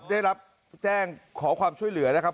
ได้รับแจ้งขอความช่วยเหลือนะครับ